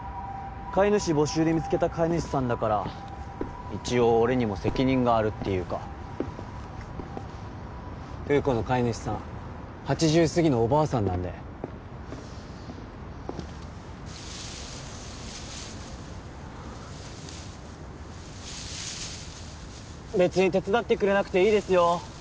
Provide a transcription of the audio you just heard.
飼い主募集で見つけた飼い主さんだから一応俺にも責任があるっていうかフー子の飼い主さん８０すぎのおばあさんなんで別に手伝ってくれなくていいですよ